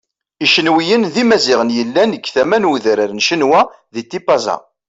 Icenwiyen d Imaziɣen yellan deg tama n udran n Cenwa di Tipaza.